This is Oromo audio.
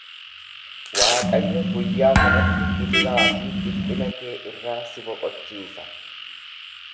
Waaqayyo guyyaa sanatti gidiraa fi dhiphina kee irraa si boqochiisa.